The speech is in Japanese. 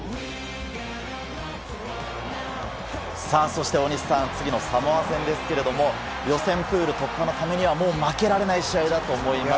さあ、そして大西さん、次のサモア戦ですけれども、予選プール突破のためには、もう負けられない試合だと思います。